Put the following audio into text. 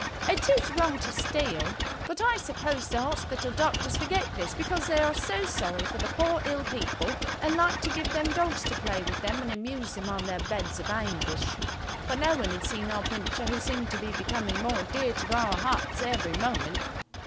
It is wrong to steal, but I suppose the hospital doctors forget this because they are so sorry for the poor ill people and like to give them dogs to play with them and amuse them on their beds of anguish. But no one had seen our Pincher, who seemed to be becoming more dear to our hearts every moment.